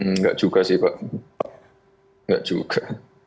enggak juga sih pak enggak juga